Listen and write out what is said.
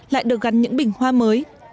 lại được gắn những bình hoa mới